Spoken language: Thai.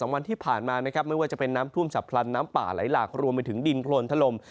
วันที่ผ่านมานะครับไม่ว่าจะเป็นน้ำท่วมฉับพลันน้ำป่าไหลหลากรวมไปถึงดินโครนทะลม